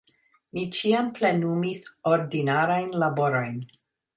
Mi ĉiam plenumis ordinarajn laborojn.